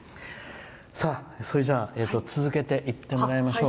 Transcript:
それじゃあ続けていってもらいましょう。